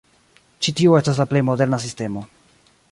Ĉi tiu estas la plej moderna sistemo.